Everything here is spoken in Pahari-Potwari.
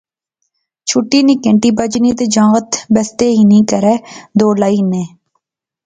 چھٹی نی کہنٹی بجنی تے جنگت بستے ہنی کہرا ا دوڑ لائی ہننے